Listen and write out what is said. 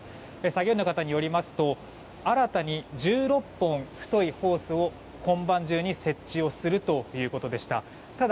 作業員の方によりますと新たに１６本太いホースを今晩中に設置をするということでした。